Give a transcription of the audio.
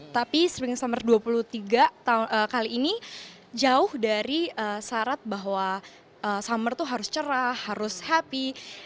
tapi spring summer dua puluh tiga kali ini jauh dari syarat bahwa summer itu harus cerah harus happy